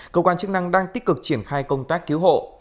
cơ quan chức năng đang tích cực triển khai công tác cứu hộ